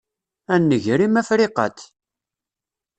A nnger-im, a Friqat!